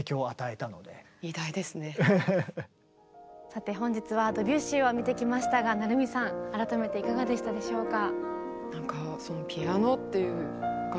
さて本日はドビュッシーを見てきましたが成海さん改めていかがでしたでしょうか？